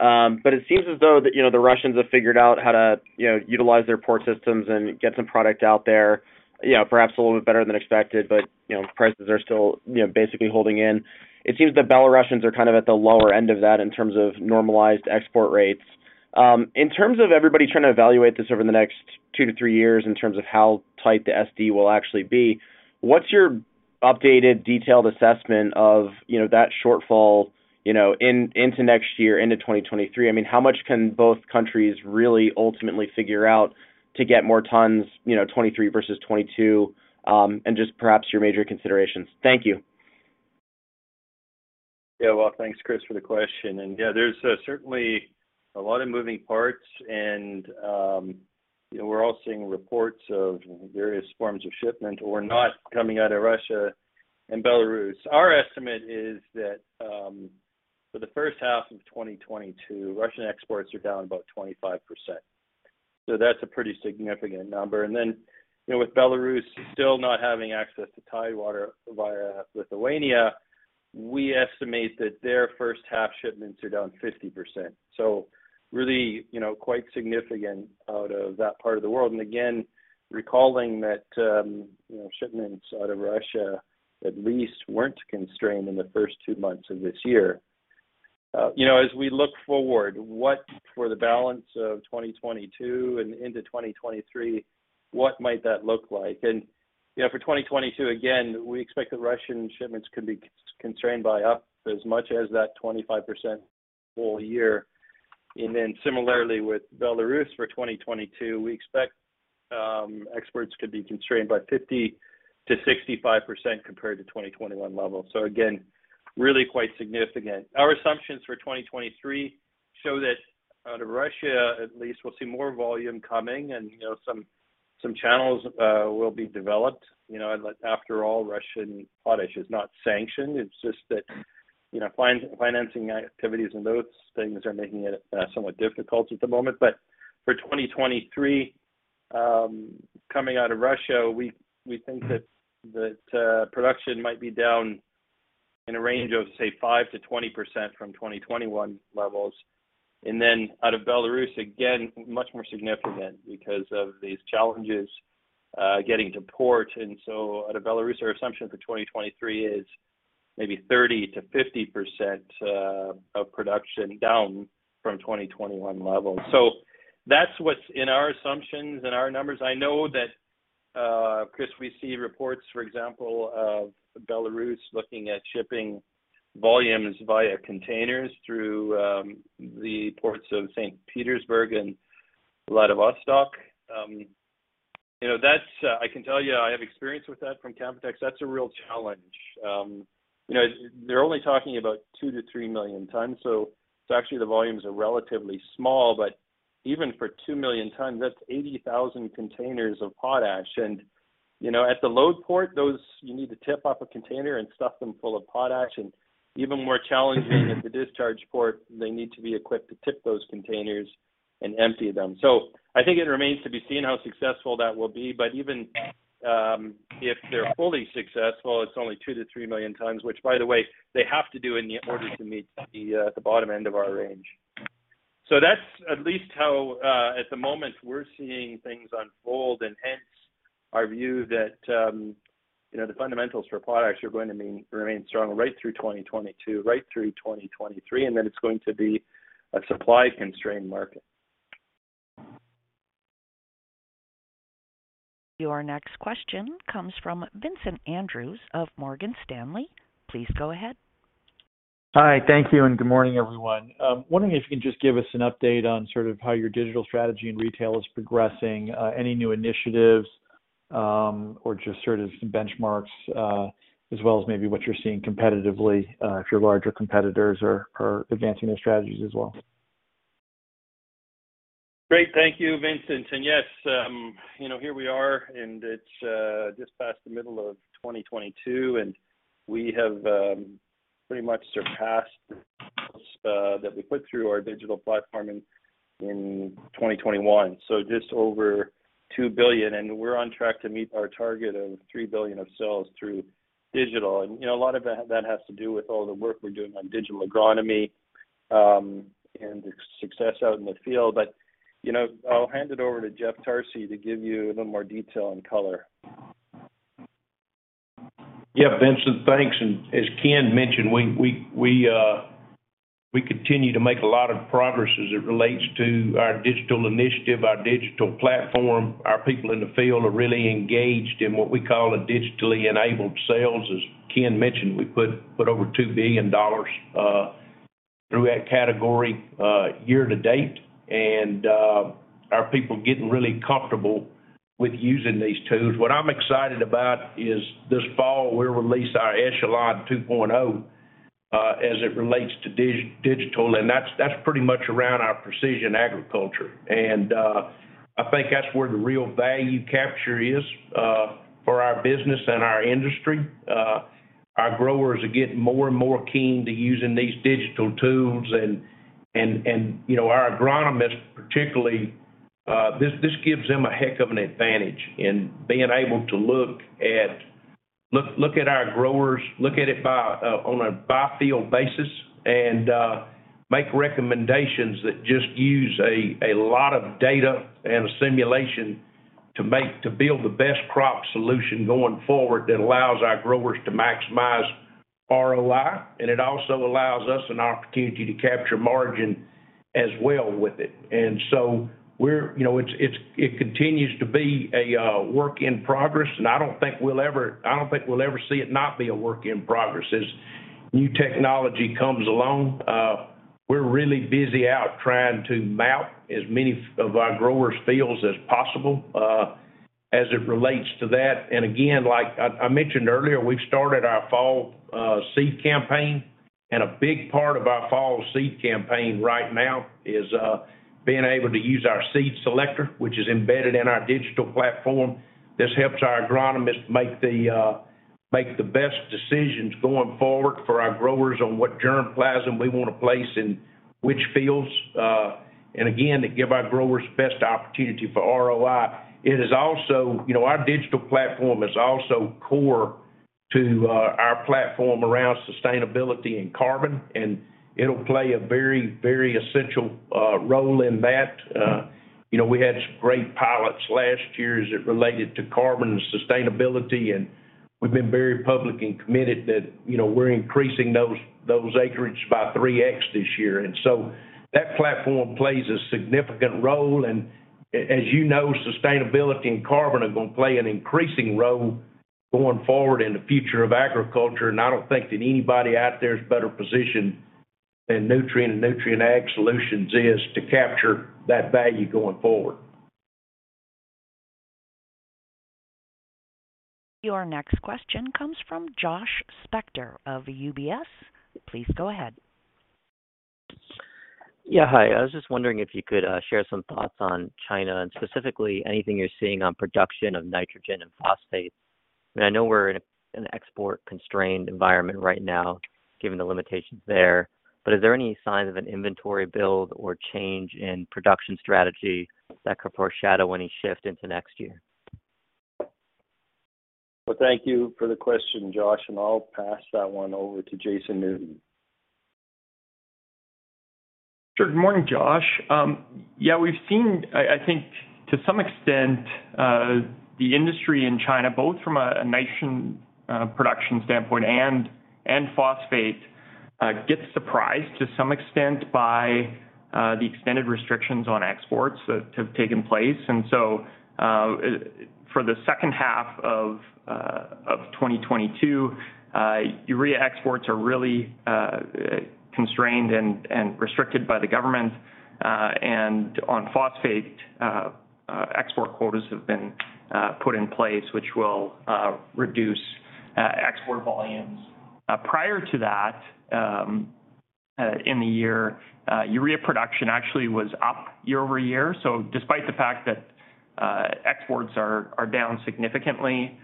It seems as though that, you know, the Russians have figured out how to, you know, utilize their port systems and get some product out there, you know, perhaps a little bit better than expected. You know, prices are still, you know, basically holding in. It seems the Belarusians are kind of at the lower end of that in terms of normalized export rates. In terms of everybody trying to evaluate this over the next two to three years in terms of how tight the S&D will actually be, what's your updated detailed assessment of, you know, that shortfall, you know, into next year into 2023? I mean, how much can both countries really ultimately figure out to get more tons, you know, 2023 versus 2022? Just perhaps your major considerations. Thank you. Yeah. Well, thanks, Chris, for the question. Yeah, there's certainly a lot of moving parts and, you know, we're all seeing reports of various forms of shipment or not coming out of Russia and Belarus. Our estimate is that, for the first half of 2022, Russian exports are down about 25%. That's a pretty significant number. You know, with Belarus still not having access to Tidewater via Lithuania, we estimate that their first half shipments are down 50%. Really, you know, quite significant out of that part of the world. Again, recalling that, you know, shipments out of Russia at least weren't constrained in the first two months of this year. You know, as we look forward, for the balance of 2022 and into 2023, what might that look like? You know, for 2022, again, we expect the Russian shipments could be constrained by up as much as that 25% full year. Similarly with Belarus for 2022, we expect exports could be constrained by 50%-65% compared to 2021 levels. Again, really quite significant. Our assumptions for 2023 show that out of Russia, at least we'll see more volume coming and, you know, some channels will be developed. You know, after all, Russian potash is not sanctioned, it's just that, you know, financing activities and those things are making it somewhat difficult at the moment. For 2023, coming out of Russia, we think that production might be down in a range of, say, 5%-20% from 2021 levels. Then out of Belarus, again, much more significant because of these challenges getting to port. Out of Belarus, our assumption for 2023 is maybe 30%-50% of production down from 2021 levels. That's what's in our assumptions and our numbers. I know that, Chris, we see reports, for example, of Belarus looking at shipping volumes via containers through the ports of St. Petersburg and Vladivostok. You know, that's, I can tell you I have experience with that from Canpotex. That's a real challenge. You know, they're only talking about 2 million-3 million tons, so it's actually the volumes are relatively small, but even for 2 million tons, that's 80,000 containers of potash. You know, at the load port, those you need to tip off a container and stuff them full of potash. Even more challenging, at the discharge port, they need to be equipped to tip those containers and empty them. I think it remains to be seen how successful that will be, but even if they're fully successful, it's only 2 million-3 million tons, which by the way, they have to do in order to meet the bottom end of our range. That's at least how at the moment we're seeing things unfold and hence our view that you know, the fundamentals for products are going to remain strong right through 2022, right through 2023, and then it's going to be a supply constrained market. Your next question comes from Vincent Andrews of Morgan Stanley. Please go ahead. Hi. Thank you and good morning, everyone. Wondering if you can just give us an update on sort of how your digital strategy in retail is progressing, any new initiatives, or just sort of some benchmarks, as well as maybe what you're seeing competitively, if your larger competitors are advancing their strategies as well. Great. Thank you, Vincent. Yes, you know, here we are, and it's just past the middle of 2022, and we have pretty much surpassed that we put through our digital platform in 2021, so just over $2 billion. We're on track to meet our target of $3 billion of sales through digital. You know, a lot of that has to do with all the work we're doing on digital agronomy and success out in the field. You know, I'll hand it over to Jeff Tarsi to give you a little more detail and color. Yeah, Vincent, thanks. As Ken mentioned, we continue to make a lot of progress as it relates to our digital initiative, our digital platform. Our people in the field are really engaged in what we call a digitally enabled sales. As Ken mentioned, we put over $2 billion through that category year to date. Our people getting really comfortable with using these tools. What I'm excited about is this fall, we'll release our Echelon 2.0 as it relates to digital, and that's pretty much around our precision agriculture. I think that's where the real value capture is for our business and our industry. Our growers are getting more and more keen to using these digital tools and, you know, our agronomists, particularly, this gives them a heck of an advantage in being able to look at our growers, look at it on a by-field basis, and make recommendations that just use a lot of data and simulation to build the best crop solution going forward that allows our growers to maximize ROI. It also allows us an opportunity to capture margin as well with it. You know, it continues to be a work in progress, and I don't think we'll ever see it not be a work in progress. As new technology comes along, we're really busy out trying to map as many of our growers' fields as possible, as it relates to that. Again, like I mentioned earlier, we've started our fall seed campaign. A big part of our fall seed campaign right now is being able to use our seed selector, which is embedded in our digital platform. This helps our agronomists make the best decisions going forward for our growers on what germplasm we wanna place in which fields, and again, to give our growers best opportunity for ROI. It is also, you know, our digital platform is also core to our platform around sustainability and carbon, and it'll play a very essential role in that. You know, we had some great pilots last year as it related to carbon and sustainability, and we've been very public and committed that, you know, we're increasing those acreages by 3x this year. That platform plays a significant role. As you know, sustainability and carbon are gonna play an increasing role going forward in the future of agriculture. I don't think that anybody out there is better positioned than Nutrien and Nutrien Ag Solutions to capture that value going forward. Your next question comes from Josh Spector of UBS. Please go ahead. Yeah, hi. I was just wondering if you could share some thoughts on China and specifically anything you're seeing on production of nitrogen and phosphate. I know we're in an export-constrained environment right now, given the limitations there, but is there any sign of an inventory build or change in production strategy that could foreshadow any shift into next year? Well, thank you for the question, Josh, and I'll pass that one over to Jason Newton. Sure. Good morning, Josh. Yeah, we've seen, I think to some extent, the industry in China, both from a national production standpoint and phosphate gets surprised to some extent by the extended restrictions on exports that have taken place. For the second half of 2022, urea exports are really constrained and restricted by the government. On phosphate, export quotas have been put in place, which will reduce export volumes. Prior to that, in the year, urea production actually was up year-over-year. Despite the fact that exports are down significantly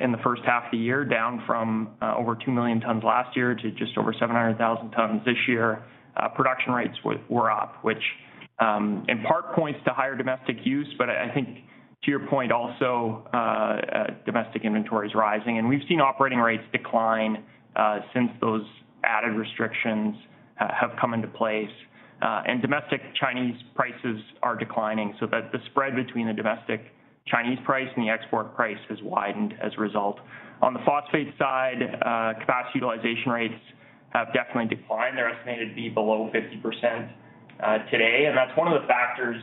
in the first half of the year, down from over 2 million tons last year to just over 700,000 tons this year, production rates were up, which in part points to higher domestic use, but I think to your point also, domestic inventory is rising. We've seen operating rates decline since those added restrictions have come into place. Domestic Chinese prices are declining so that the spread between the domestic Chinese price and the export price has widened as a result. On the phosphate side, capacity utilization rates have definitely declined. They're estimated to be below 50% today, and that's one of the factors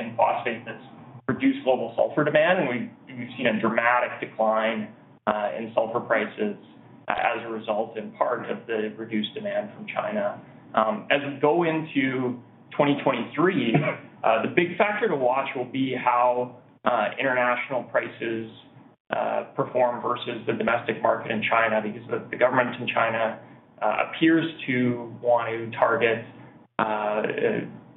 in phosphate that's reduced global sulfur demand. We've seen a dramatic decline in sulfur prices as a result, in part of the reduced demand from China. As we go into 2023, the big factor to watch will be how international prices perform versus the domestic market in China because the government in China appears to want to target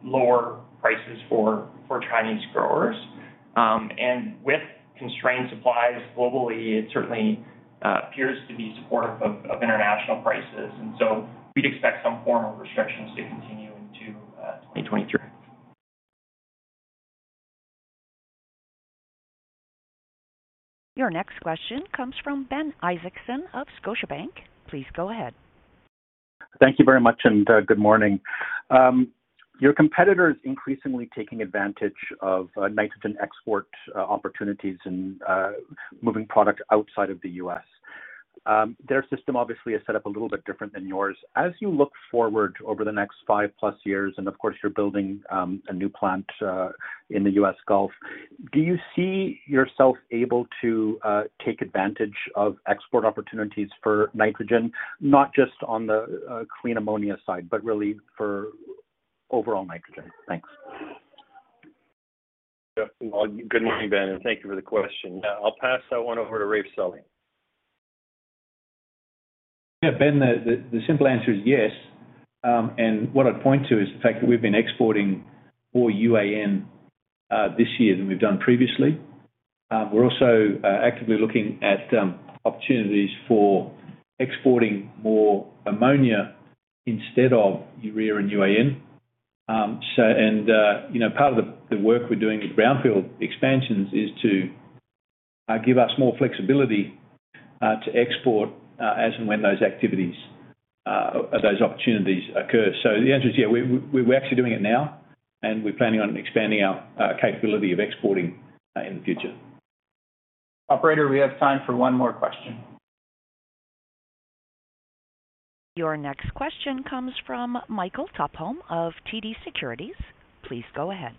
lower prices for Chinese growers. With constrained supplies globally, it certainly appears to be supportive of international prices. We'd expect some form of restrictions to continue into 2023. Your next question comes from Ben Isaacson of Scotiabank. Please go ahead. Thank you very much, and good morning. Your competitor is increasingly taking advantage of nitrogen export opportunities and moving product outside of the U.S. Their system obviously is set up a little bit different than yours. As you look forward over the next 5+ years, and of course, you're building a new plant in the U.S. Gulf, do you see yourself able to take advantage of export opportunities for nitrogen, not just on the clean ammonia side, but really for overall nitrogen? Thanks. Good morning, Ben, and thank you for the question. I'll pass that one over to Raef Sully. Yeah, Ben, the simple answer is yes. What I'd point to is the fact that we've been exporting more UAN this year than we've done previously. We're also actively looking at opportunities for exporting more ammonia instead of urea and UAN. You know, part of the work we're doing with brownfield expansions is to give us more flexibility to export as and when those activities, those opportunities occur. The answer is, yeah, we're actually doing it now, and we're planning on expanding our capability of exporting in the future. Operator, we have time for one more question. Your next question comes from Michael Tupholme of TD Cowen. Please go ahead.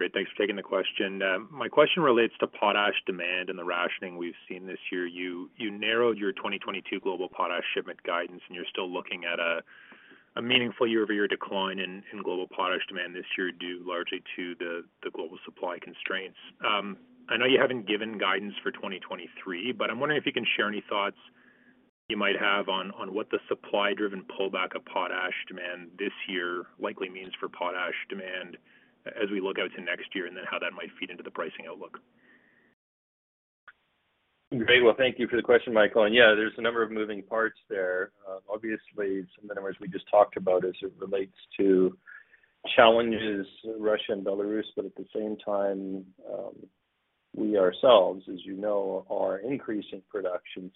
Great. Thanks for taking the question. My question relates to potash demand and the rationing we've seen this year. You narrowed your 2022 global potash shipment guidance, and you're still looking at a meaningful year-over-year decline in global potash demand this year, due largely to the global supply constraints. I know you haven't given guidance for 2023, but I'm wondering if you can share any thoughts you might have on what the supply-driven pullback of potash demand this year likely means for potash demand as we look out to next year, and then how that might feed into the pricing outlook? Great. Well, thank you for the question, Michael. Yeah, there's a number of moving parts there. Obviously, some of the numbers we just talked about as it relates to challenges, Russia and Belarus, but at the same time, we ourselves, as you know, are increasing production.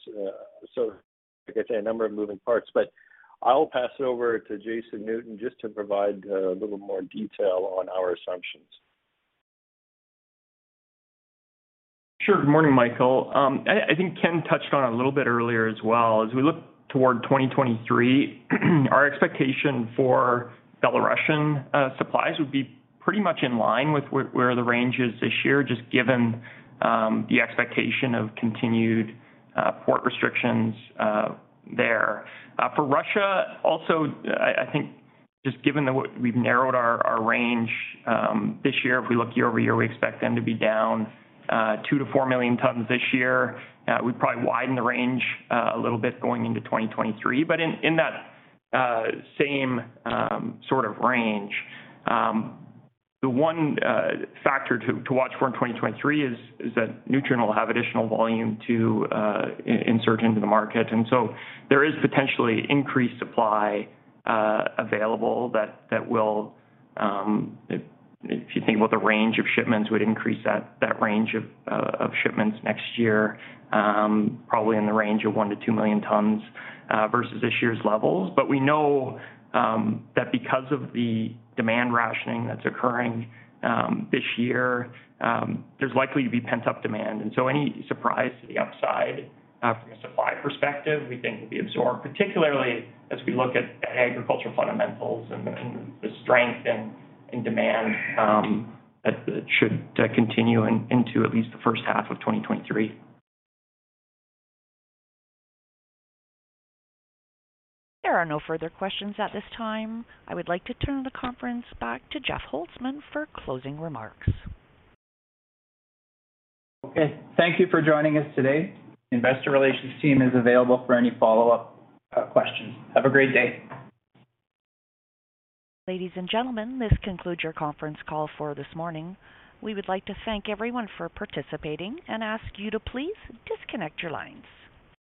Like I say, a number of moving parts, but I'll pass it over to Jason Newton just to provide a little more detail on our assumptions. Sure. Good morning, Michael. I think Ken touched on it a little bit earlier as well. As we look toward 2023, our expectation for Belarusian supplies would be pretty much in line with where the range is this year, just given the expectation of continued port restrictions there. For Russia also, I think just given that we've narrowed our range this year, if we look year-over-year, we expect them to be down 2 million-4 million tons this year. We'd probably widen the range a little bit going into 2023. In that same sort of range, the one factor to watch for in 2023 is that Nutrien will have additional volume to insert into the market. There is potentially increased supply available that will, if you think about the range of shipments, would increase that range of shipments next year, probably in the range of 1 million-2 million tons versus this year's levels. We know that because of the demand rationing that's occurring this year, there's likely to be pent-up demand. Any surprise to the upside from a supply perspective, we think will be absorbed, particularly as we look at agriculture fundamentals and the strength in demand that should continue into at least the first half of 2023. There are no further questions at this time. I would like to turn the conference back to Jeff Holzman for closing remarks. Okay. Thank you for joining us today. Investor relations team is available for any follow-up questions. Have a great day. Ladies and gentlemen, this concludes your conference call for this morning. We would like to thank everyone for participating and ask you to please disconnect your lines.